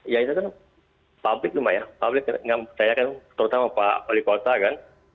ya itu kan publik cuma ya publik yang percayakan terutama pak wali kota kan